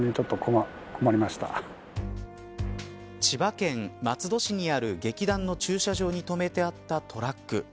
千葉県松戸市にある劇団の駐車場に止めてあったトラック。